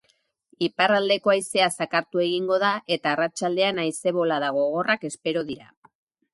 Iparraldeko haizea zakartu egingo da eta arratsaldean haize-bolada gogorrak espero dira.